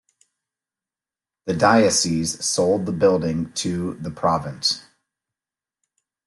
The dioces sold the building to the Province.